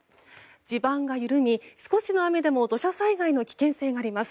地盤が緩み、少しの雨でも土砂災害の危険性があります。